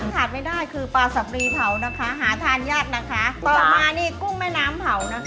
ขาดไม่ได้คือปลาสับรีเผานะคะหาทานยากนะคะต่อมานี่กุ้งแม่น้ำเผานะคะ